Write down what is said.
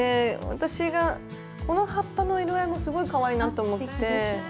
私がこの葉っぱの色合いもすごいかわいいなと思って。